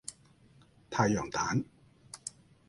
太陽蛋